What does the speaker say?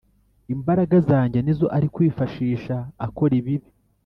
Imbaraga zanjye nizo ari kwifashisha akora ibibi